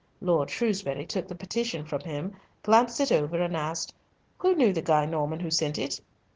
Lord Shrewsbury took the petition from him, glanced it over, and asked, "Who knew the Guy Norman who sent it?"